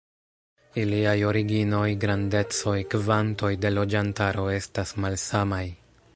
Iliaj originoj, grandecoj, kvantoj de loĝantaro estas malsamaj.